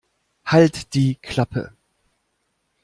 Halt die Klappe!